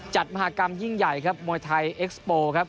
มหากรรมยิ่งใหญ่ครับมวยไทยเอ็กซ์โปร์ครับ